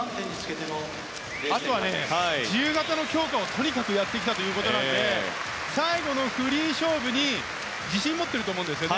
あとは自由形をとにかく強化したということで最後のフリー勝負に自信を持っていると思うんです。